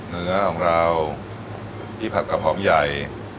เนื้อของเราที่ผักกระหอมใหญ่